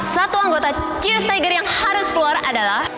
satu anggota cheers tiger yang harus keluar adalah